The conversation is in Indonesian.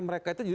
nah mereka itu